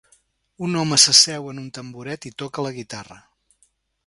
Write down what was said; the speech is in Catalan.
Un home s'asseu en un tamboret i toca la guitarra.